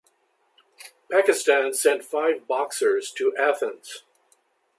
Pakistan sent five boxers to Athens.